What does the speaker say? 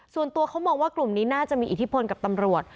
ส่วนตัวเขามองว่ากลุ่มนี้น่าจะมีอิทธิพลกับตำรวจ